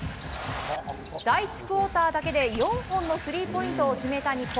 第１クオーターだけで４本のスリーポイントを決めた日本。